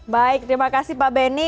baik terima kasih pak benny